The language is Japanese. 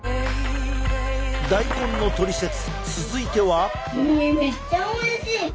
大根のトリセツ続いては。